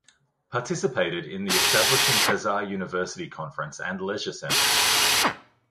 Participated in the establishing Khazar University Conference and Leisure Centre.